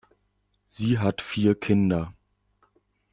Sie hat vier Kinder.